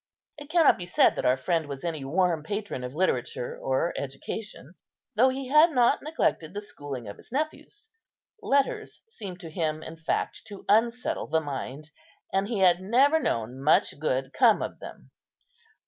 It cannot be said that our friend was any warm patron of literature or education, though he had not neglected the schooling of his nephews. Letters seemed to him in fact to unsettle the mind; and he had never known much good come of them.